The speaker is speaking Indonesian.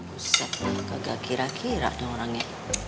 ustaz lah kagak kira kira dong orangnya